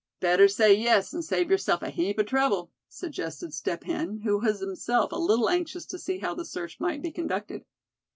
"Better say yes, and save yourself a heap of trouble," suggested Step Hen, who was himself a little anxious to see how the search might be conducted.